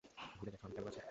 ভুলে গেছ আমি কেমন আছি?